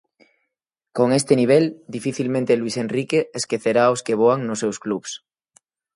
Con este nivel, dificilmente Luís Enrique esquecerá os que voan nos seus clubs.